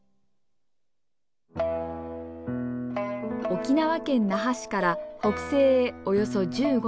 沖縄県那覇市から北西へおよそ１５キロ。